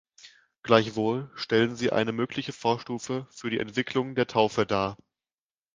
Gleichwohl stellen sie eine mögliche Vorstufe für die Entwicklung der Taufe dar.